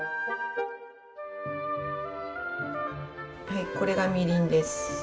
はいこれがみりんです。